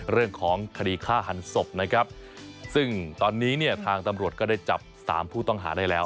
เรื่องของคดีฆ่าหันศพนะครับซึ่งตอนนี้เนี่ยทางตำรวจก็ได้จับสามผู้ต้องหาได้แล้ว